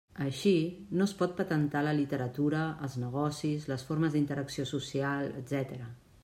Així, no es pot patentar la literatura, els negocis, les formes d'interacció social, etc.